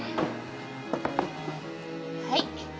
はい。